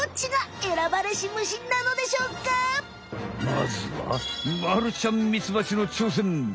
まずはまるちゃんミツバチのちょうせん！